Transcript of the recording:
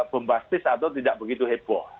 bombastis atau tidak begitu heboh